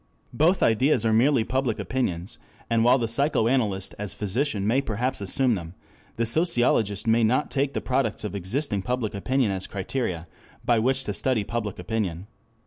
Both ideas are merely public opinions, and while the psychoanalyst as physician may perhaps assume them, the sociologist may not take the products of existing public opinion as criteria by which to study public opinion.